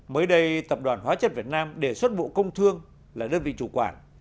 mới đây tập đoàn hóa chất việt nam đề xuất bộ công thương là đơn vị chủ quản